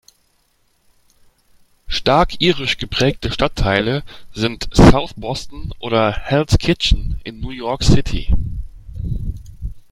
Stark irisch geprägte Stadtteile sind South Boston oder Hell’s Kitchen in New York City.